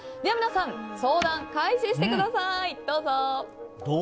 皆さん、相談開始してください！